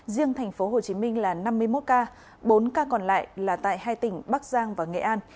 riêng thành phố hồ chí minh là năm mươi một ca bốn ca còn lại là tại hai tỉnh bắc giang và nghệ an